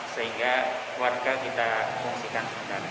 sehingga warga kita pengungsikan